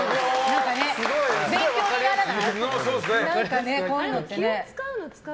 勉強にならない